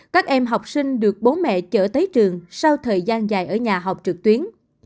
các em học sinh được bố mẹ chở tới trường sau thời gian dài ở nhà học trực tuyến